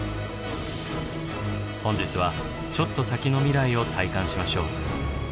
本日はちょっと先の未来を体感しましょう。